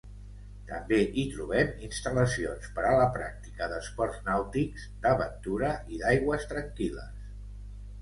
També hi trobem instal·lacions per a la pràctica d'esports nàutics, d'aventura i d'aigües tranquil·les.